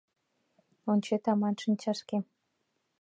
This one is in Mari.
Ончет аман шинчашкем